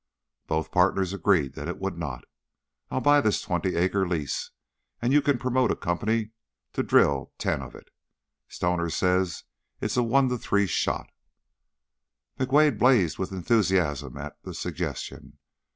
Both partners agreed that it would not. "I'll buy this twenty acre lease, and you can promote a company to drill ten of it, Stoner says it's a one to three shot." McWade blazed with enthusiasm at the suggestion.